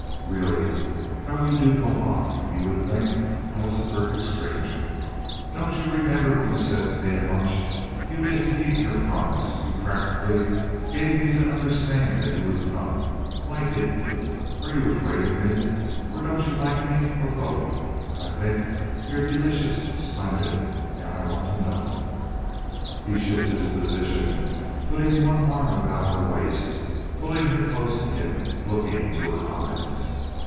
"Really! How you go on! You would think I was a perfect stranger. Don't you remember what you said to me at lunch? You didn't keep your promise. You practically gave me to understand that you would come. Why didn't you? Are you afraid of me, or don't you like me, or both? I think you're delicious, splendid, and I want to know." He shifted his position, putting one arm about her waist, pulling her close to him, looking into her eyes.